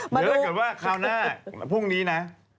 หากเจอว่าคราวหน้าพรุ่งนี้นะ